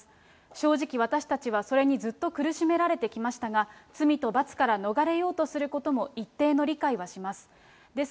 正直、私たちはそれにずっと苦しめられてきましたが、罪と罰から逃れようとすることも、一定の理解はします。